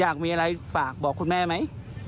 อยากมีอะไรฝากบอกคุณแม่ไหม